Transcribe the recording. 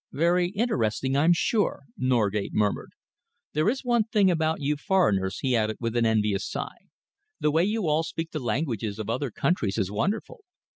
"Very interesting, I'm sure," Norgate murmured. "There is one thing about you foreigners," he added, with an envious sigh. "The way you all speak the languages of other countries is wonderful.